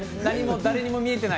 誰にも見えていない。